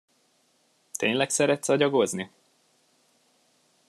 Tényleg szeretsz agyagozni?